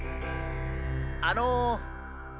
あの。